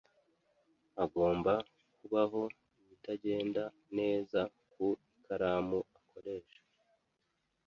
Hagomba kubaho ibitagenda neza ku ikaramu akoresha.